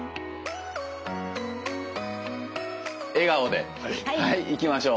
笑顔ではいいきましょう。